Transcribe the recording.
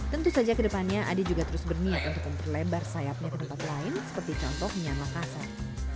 tentu saja kedepannya adi juga terus berniat untuk memperlebar sayapnya ke tempat lain seperti contohnya makassar